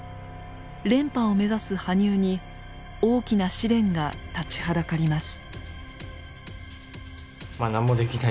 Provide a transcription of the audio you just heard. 連覇を目指す羽生に大きな試練が立ちはだかります。